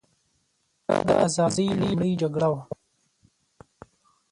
دا د ازادۍ لومړۍ جګړه وه.